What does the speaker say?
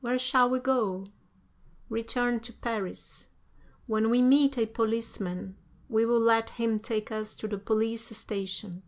"Where shall we go?" "Return to Paris. When we meet a policeman we will let him take us to the police station.